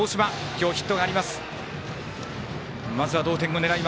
今日、ヒットがあります。